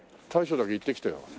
大将だけ行ってきてよ。